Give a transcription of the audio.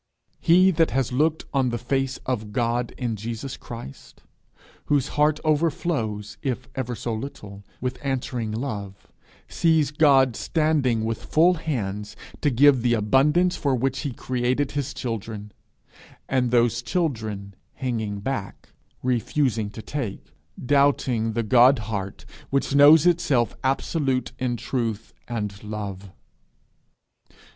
He that has looked on the face of God in Jesus Christ, whose heart overflows, if ever so little, with answering love, sees God standing with full hands to give the abundance for which he created his children, and those children hanging back, refusing to take, doubting the God heart which knows itself absolute in truth and love.